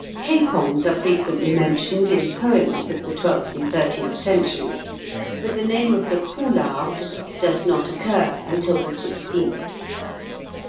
] Capons are frequently mentioned in poems of the twelfth and thirteenth centuries; but the name of the poularde does not occur until the sixteenth.